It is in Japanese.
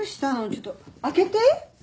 ちょっと開けて。